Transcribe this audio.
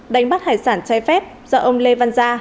đánh bắt hải sản trái phép do ông lê văn gia